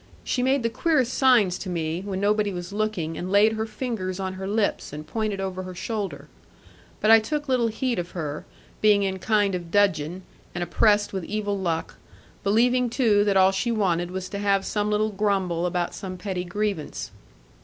She made the queerest signs to me, when nobody was looking, and laid her fingers on her lips, and pointed over her shoulder. But I took little heed of her, being in a kind of dudgeon, and oppressed with evil luck; believing too that all she wanted was to have some little grumble about some petty grievance.